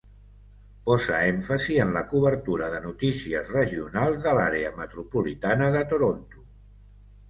Posa èmfasi en la cobertura de notícies regionals de l'Àrea metropolitana de Toronto.